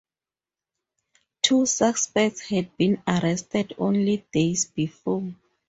Two suspects had been arrested only days before.